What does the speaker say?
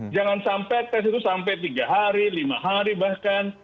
jangan sampai tes itu sampai tiga hari lima hari bahkan